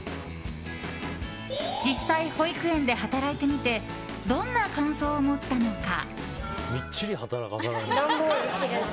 実際、保育園で働いてみてどんな感想を持ったのか。